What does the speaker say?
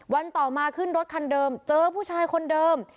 ต่อมาขึ้นรถคันเดิมเจอผู้ชายคนเดิม